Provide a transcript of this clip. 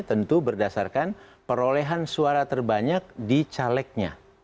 tentu berdasarkan perolehan suara terbanyak di calegnya